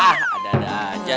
ah ada ada aja